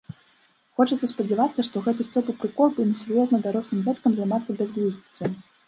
Хочацца спадзявацца, што гэта сцёб і прыкол, бо несур'ёзна дарослым дзядзькам займацца бязглуздзіцай.